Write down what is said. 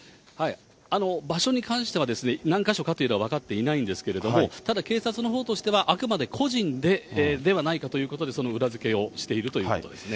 場所に関してはですね、何か所かというのは分かっていないんですけれども、ただ警察のほうとしては、あくまで個人ではないかということで、その裏付けをしているということですね。